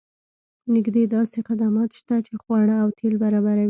نږدې داسې خدمات شته چې خواړه او تیل برابروي